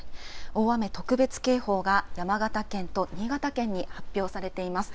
大雨特別警報が山形県と新潟県に発表されています。